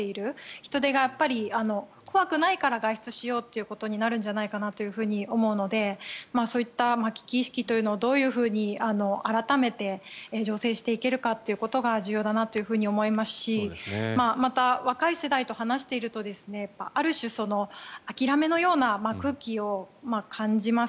人出が怖くないから外出しようということになるんじゃないかなと思うのでそういった危機意識というのをどういうふうに改めて醸成していけるかというのが重要だなと思いますしまた、若い世代と話しているとある種、諦めのような空気を感じます。